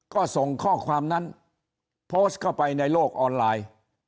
ก็ส่งข้อความนั้นโพสต์เข้าไปในโลกออนไลน์